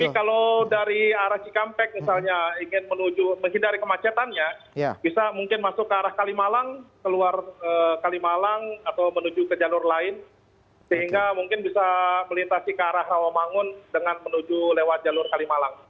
tapi kalau dari arah cikampek misalnya ingin menuju menghindari kemacetannya bisa mungkin masuk ke arah kalimalang keluar kalimalang atau menuju ke jalur lain sehingga mungkin bisa melintasi ke arah rawamangun dengan menuju lewat jalur kalimalang